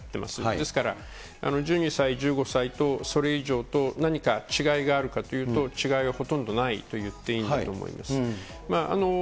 ですから、１２歳、１５歳と、それ以上と、何か違いがあるかというと、違いはほとんどないと言っていいんだと思います。